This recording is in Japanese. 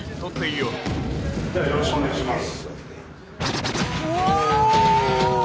よろしくお願いします